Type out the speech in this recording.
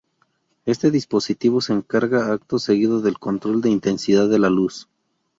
Este dispositivo se encarga acto seguido del control de intensidad de la luz.